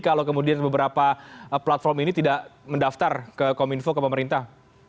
kalau kemudian beberapa platform ini tidak mendaftar ke kominfo ke pemerintah